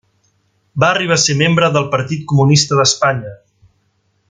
Va arribar a ser membre del Partit Comunista d'Espanya.